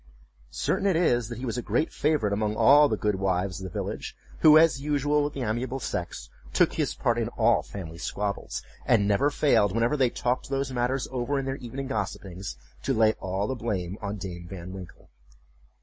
Certain it is, that he was a great favorite among all the good wives of the village, who, as usual, with the amiable sex, took his part in all family squabbles; and never failed, whenever they talked those matters over in their evening gossipings, to lay all the blame on Dame Van Winkle.